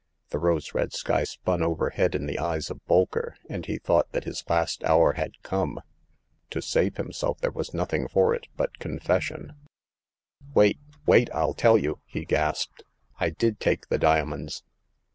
The rose red sky spun overhead in the eyes of Bolker, and he thought that his last hour had come. To save himself there was nothing for it but confes sion. '' What ! wait ! FU tell you !" he gasped. *' I did take the diamonds.